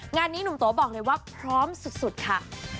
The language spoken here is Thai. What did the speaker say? งานนี้หนุ่มโตบอกเลยว่าพร้อมสุดค่ะ